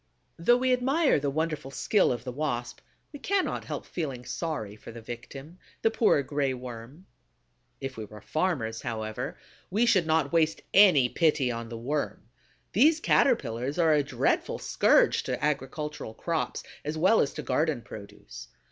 Though we admire the wonderful skill of the Wasp, we cannot help feeling sorry for the victim, the poor Gray Worm. If we were farmers, however, we should not waste any pity on the Worm. These Caterpillars are a dreadful scourge to agricultural crops, as well as to garden produce.